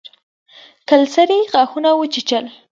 کلسري غاښونه وچيچل.